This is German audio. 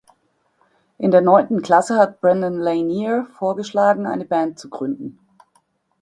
In der neunten Klasse hat Brandon Lanier vorgeschlagen, eine Band zu gründen.